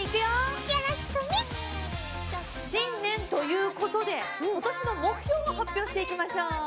新年ということで今年の目標を発表していきましょう。